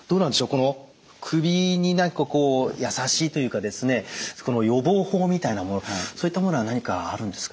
この首に何かこうやさしいというかですね予防法みたいなものそういったものは何かあるんですか？